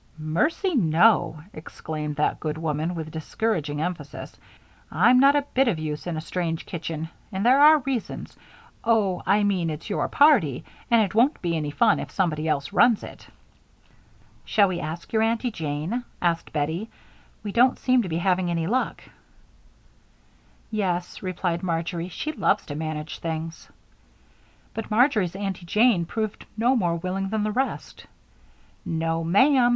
"Mercy, no!" exclaimed that good woman, with discouraging emphasis. "I'm not a bit of use in a strange kitchen, and there are reasons Oh! I mean it's your party and it won't be any fun if somebody else runs it." "Shall we ask your Aunty Jane?" asked Bettie. "We don't seem to be having any luck." "Yes," replied Marjory. "She loves to manage things." But Marjory's Aunty Jane proved no more willing than the rest. "No, ma'am!"